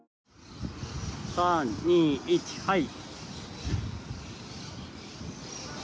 ３、２、１、はい。